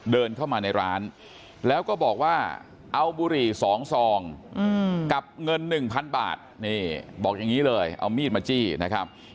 เดินเข้ามาในร้านแล้วก็บอกว่าเอาบุหรี่๒ซองกับเงิน๑๐๐๐บาทนี่บอกอย่างนี้เลยเอามีดมาจี้นะครับ